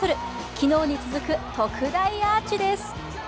昨日に続く特大アーチです。